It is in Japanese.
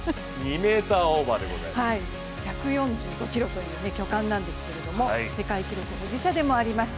１４５ｋｇという巨漢なんですけど世界記録保持者でもあります。